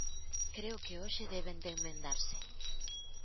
Creo que hoxe deben de emendarse.